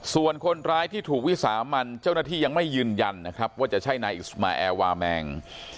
ส่วนคนร้ายที่ถูกวิสามันเจ้าหน้าที่ยังไม่ยืนยันนะครับว่าจะใช่นายอิสมาแอร์วาแมง